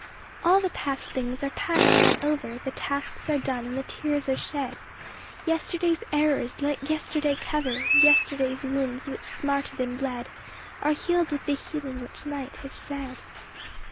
All the past things are past and over ; The tasks are done and the tears are shed. Yesterday s errors let yesterday cover ; Yesterday s wounds, which smarted and bled, Are healed with the healing which night has shed.